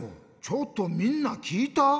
ちょっとみんなきいた？